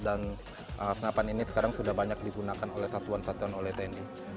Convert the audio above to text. dan senapan ini sekarang sudah banyak digunakan oleh satuan satuan oleh tni